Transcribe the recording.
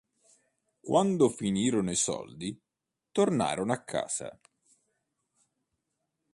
Quando finirono i soldi, tornarono a casa.